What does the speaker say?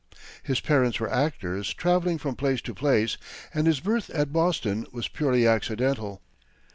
His parents were actors, travelling from place to place, and his birth at Boston was purely accidental.